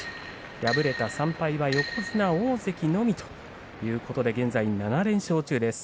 敗れた３敗は横綱大関のみということで現在、７連勝中です。